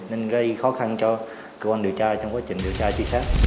nên gây khó khăn cho cơ quan điều tra trong quá trình